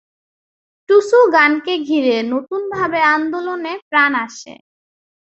টুসু গানকে ঘিরে নতুনভাবে আন্দোলনে প্রাণ আসে।